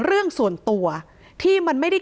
เรื่องส่วนตัวที่มันไม่ได้